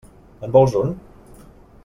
En vols un?